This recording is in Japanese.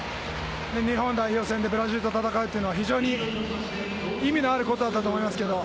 初めての国立で日本代表戦でブラジルと戦うのは非常に意味のあることだったと思います。